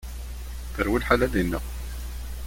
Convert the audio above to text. Terwi lḥala dinna.